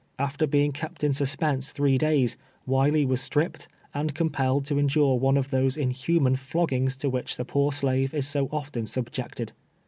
Afrer being kept in suspense tliree days, "Wiley was strijiped, and compelled to endure one of tliose inLuman flog gings to wLicL tlie poor slave is so often subjected.